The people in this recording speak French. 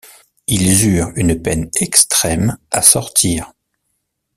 Ils eurent une peine extrême à sortir.